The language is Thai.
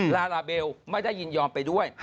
ลาลาเบลไม่ได้ยินยอมไปด้วย